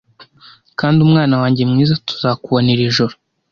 kandi mwana wanjye mwiza tuzakubona iri joro